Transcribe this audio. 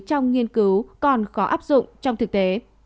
trong nghiên cứu còn khó áp dụng trong thực tế